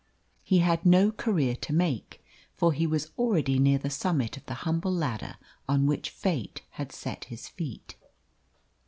He had no career to make, for he was already near the summit of the humble ladder on which Fate had set his feet.